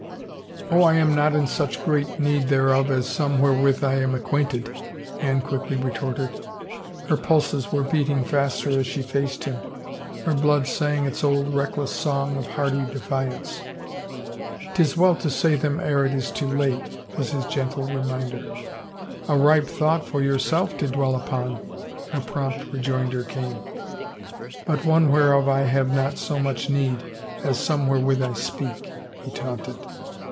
"" Oh, I am not in such great need thereof as some wherewith I am acquainted," Anne quickly retorted. Her pulses were beating faster as she faced him; her blood sang its old reckless song of hardy defiance. " Tis well to say them ere it is too late," was his gentle reminder. 336 THE TOWER A ripe thought for yourself to dwell upon," her prompt rejoinder came. " But one whereof I have not so much need as some wherewith I speak," he taunted.